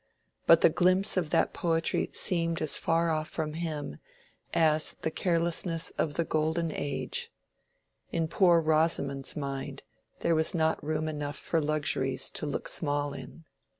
But the glimpse of that poetry seemed as far off from him as the carelessness of the golden age; in poor Rosamond's mind there was not room enough for luxuries to look small in.